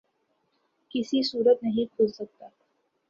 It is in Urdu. کسی صورت نہیں کھل سکتا